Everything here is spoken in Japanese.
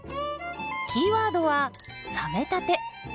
キーワードは「冷めたて」。